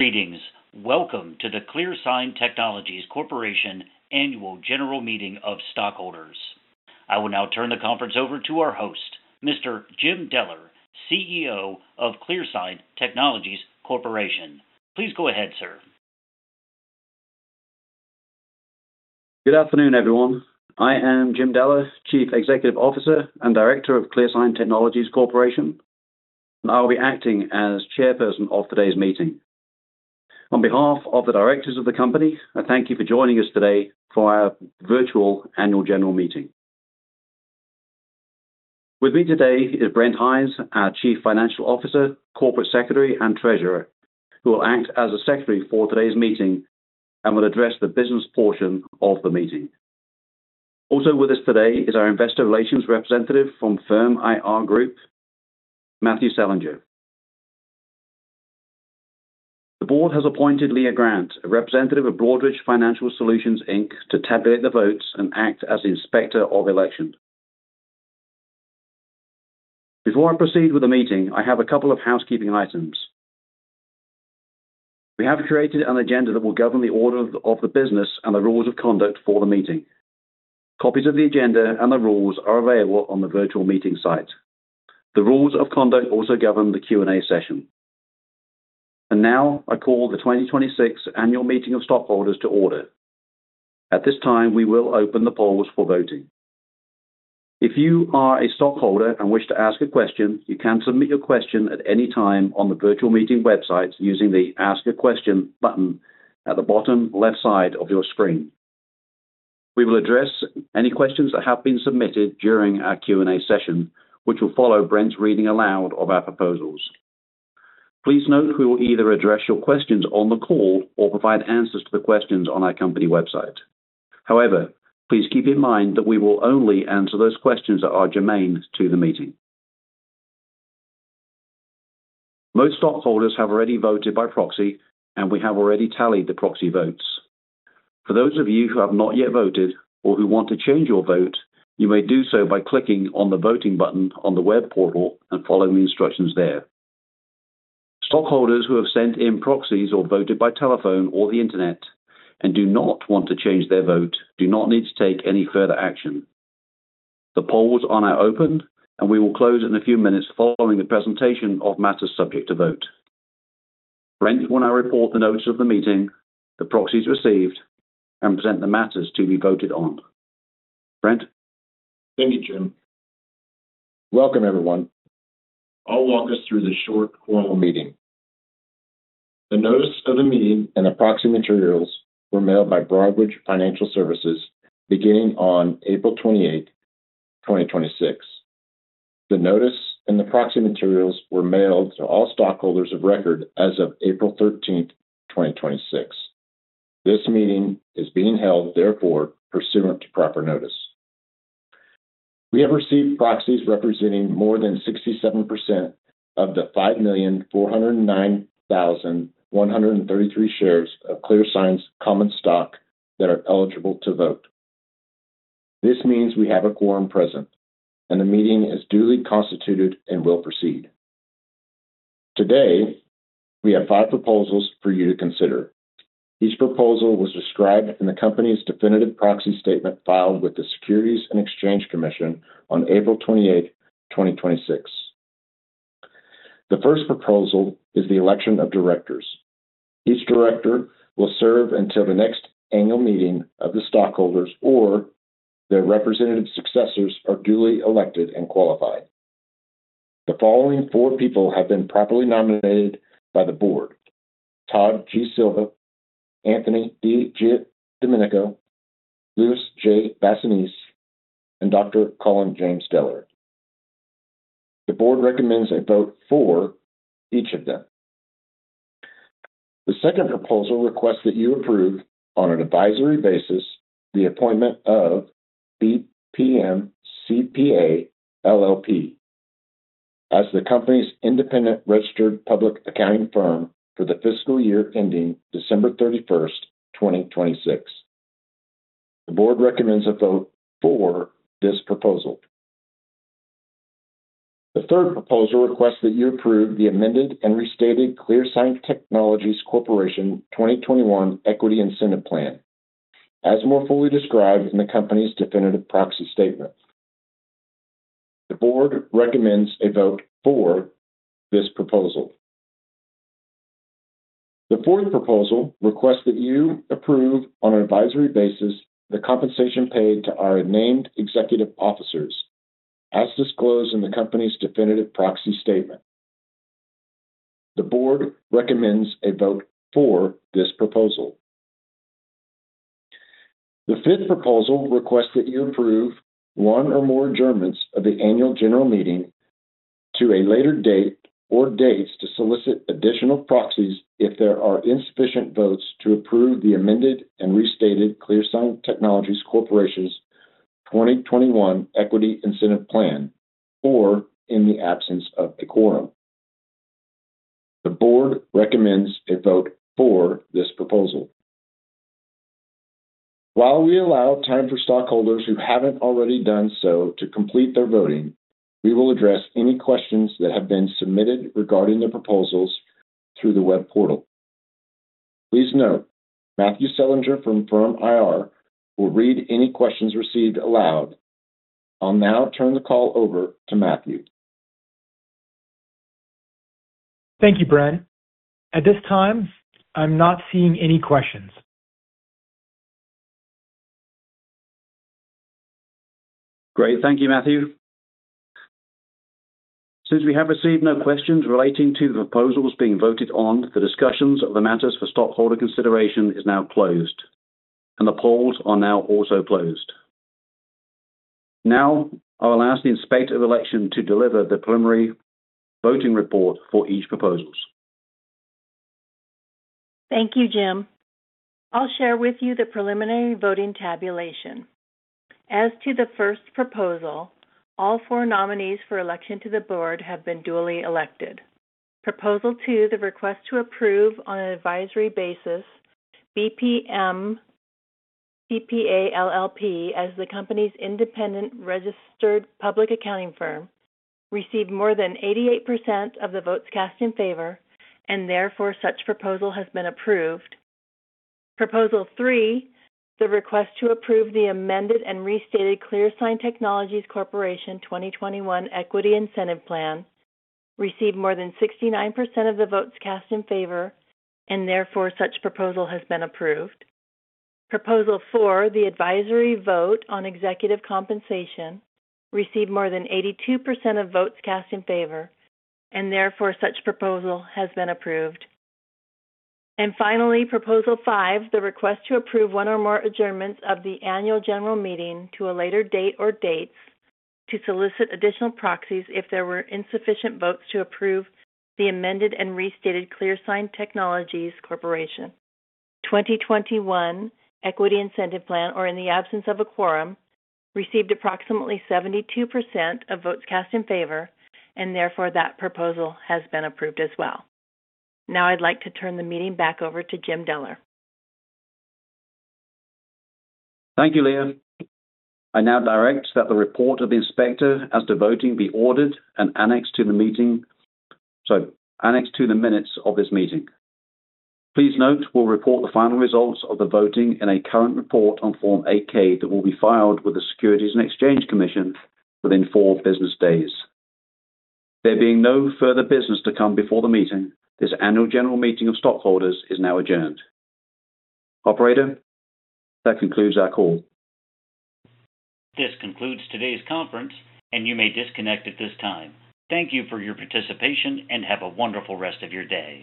Greetings. Welcome to the ClearSign Technologies Corporation Annual General Meeting of Stockholders. I will now turn the conference over to our host, Mr. Jim Deller, CEO of ClearSign Technologies Corporation. Please go ahead, sir. Good afternoon, everyone. I am Jim Deller, Chief Executive Officer and Director of ClearSign Technologies Corporation, and I will be acting as chairperson of today's meeting. On behalf of the directors of the company, I thank you for joining us today for our virtual annual general meeting. With me today is Brent Hinds, our Chief Financial Officer, Corporate Secretary, and Treasurer, who will act as the secretary for today's meeting and will address the business portion of the meeting. Also with us today is our investor relations representative from Firm IR Group, Matthew Selinger. The board has appointed Leah Grant, a representative of Broadridge Financial Solutions, Inc., to tabulate the votes and act as the Inspector of Election. Before I proceed with the meeting, I have a couple of housekeeping items. We have created an agenda that will govern the order of the business and the rules of conduct for the meeting. Copies of the agenda and the rules are available on the virtual meeting site. The rules of conduct also govern the Q&A session. Now I call the 2026 annual meeting of stockholders to order. At this time, we will open the polls for voting. If you are a stockholder and wish to ask a question, you can submit your question at any time on the virtual meeting website using the Ask a Question button at the bottom left side of your screen. We will address any questions that have been submitted during our Q&A session, which will follow Brent's reading aloud of our proposals. Please note we will either address your questions on the call or provide answers to the questions on our company website. However, please keep in mind that we will only answer those questions that are germane to the meeting. Most stockholders have already voted by proxy. We have already tallied the proxy votes. For those of you who have not yet voted or who want to change your vote, you may do so by clicking on the voting button on the web portal and following the instructions there. Stockholders who have sent in proxies or voted by telephone or the internet and do not want to change their vote do not need to take any further action. The polls are now open, and we will close in a few minutes following the presentation of matters subject to vote. Brent will now report the notice of the meeting, the proxies received, and present the matters to be voted on. Brent? Thank you, Jim. Welcome, everyone. I'll walk us through this short quorum meeting. The notice of the meeting and the proxy materials were mailed by Broadridge Financial Solutions beginning on April 28th, 2026. The notice and the proxy materials were mailed to all stockholders of record as of April 13th, 2026. This meeting is being held, therefore, pursuant to proper notice. We have received proxies representing more than 67% of the 5,409,133 shares of ClearSign's common stock that are eligible to vote. This means we have a quorum present, and the meeting is duly constituted and will proceed. Today, we have five proposals for you to consider. Each proposal was described in the company's definitive proxy statement filed with the Securities and Exchange Commission on April 28th, 2026. The first proposal is the election of directors. Each director will serve until the next annual meeting of the stockholders or their representative successors are duly elected and qualified. The following four people have been properly nominated by the board: Todd G. Silva, Anthony E. Domenico, Louis J. Bassanese, and Dr. Colin James Deller. The board recommends a vote for each of them. The second proposal requests that you approve, on an advisory basis, the appointment of BPM CPA LLP as the company's independent registered public accounting firm for the fiscal year ending December 31st, 2026. The board recommends a vote for this proposal. The third proposal requests that you approve the amended and restated ClearSign Technologies Corporation 2021 Equity Incentive Plan, as more fully described in the company's definitive proxy statement. The board recommends a vote for this proposal. The fourth proposal requests that you approve, on an advisory basis, the compensation paid to our named executive officers as disclosed in the company's definitive proxy statement. The board recommends a vote for this proposal. The fifth proposal requests that you approve one or more adjournments of the annual general meeting to a later date or dates to solicit additional proxies if there are insufficient votes to approve the amended and restated ClearSign Technologies Corporation 2021 Equity Incentive Plan, or in the absence of the quorum. The board recommends a vote for this proposal. While we allow time for stockholders who haven't already done so to complete their voting, we will address any questions that have been submitted regarding the proposals through the web portal. Please note, Matthew Selinger from Firm IR will read any questions received aloud. I'll now turn the call over to Matthew. Thank you, Brent. At this time, I'm not seeing any questions. Great. Thank you, Matthew. Since we have received no questions relating to the proposals being voted on, the discussions of the matters for stockholder consideration is now closed, and the polls are now also closed. I will ask the Inspector of Election to deliver the preliminary voting report for each proposals. Thank you, Jim. I'll share with you the preliminary voting tabulation. As to the first proposal, all four nominees for election to the board have been duly elected. Proposal 2, the request to approve on an advisory basis, BPM CPA LLP, as the company's independent registered public accounting firm, received more than 88% of the votes cast in favor, therefore, such proposal has been approved. Proposal three, the request to approve the amended and restated ClearSign Technologies Corporation 2021 Equity Incentive Plan, received more than 69% of the votes cast in favor, therefore, such proposal has been approved. Proposal four, the advisory vote on executive compensation, received more than 82% of votes cast in favor, therefore, such proposal has been approved. Finally, proposal five, the request to approve one or more adjournments of the annual general meeting to a later date or dates to solicit additional proxies if there were insufficient votes to approve the amended and restated ClearSign Technologies Corporation 2021 Equity Incentive Plan, or in the absence of a quorum, received approximately 72% of votes cast in favor, therefore, that proposal has been approved as well. I'd like to turn the meeting back over to Jim Deller. Thank you, Leah. I now direct that the report of the Inspector as to voting be ordered and annexed to the minutes of this meeting. Please note, we'll report the final results of the voting in a current report on Form 8-K that will be filed with the Securities and Exchange Commission within four business days. There being no further business to come before the meeting, this annual general meeting of stockholders is now adjourned. Operator, that concludes our call. This concludes today's conference, and you may disconnect at this time. Thank you for your participation, and have a wonderful rest of your day.